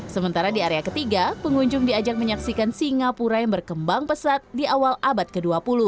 sementara di area ketiga pengunjung diajak menyaksikan singapura yang berkembang pesat di awal abad ke dua puluh